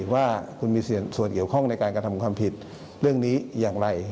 ว่าคุณมีส่วนเกี่ยวข้องในการกระทำความผิดเรื่องนี้อย่างไร